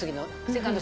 セカンドシ